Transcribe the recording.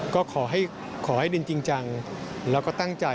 ก็ขอให้ดินจริงจังแล้วก็ตั้งใจ